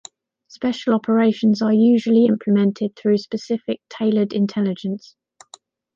Special operations are usually implemented through specific, tailored intelligence.